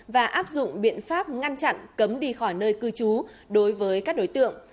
và áp dụng biện pháp ngăn chặn cấm đi khỏi nơi cư trú đối với các đối tượng